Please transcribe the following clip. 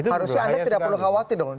harusnya anda tidak perlu khawatir dong